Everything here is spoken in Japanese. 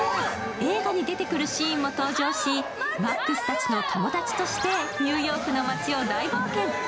映画に出てくるシーンも登場し、マックスたちの友達としてニューヨークの街を大冒険！